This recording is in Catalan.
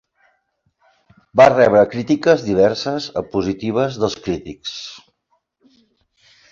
Va rebre crítiques diverses a positives dels crítics.